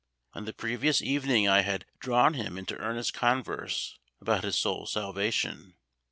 On the previous evening I had drawn him into earnest converse about his soul's salvation.